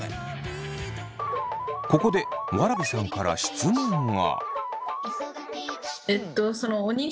ここでわらびさんから質問が。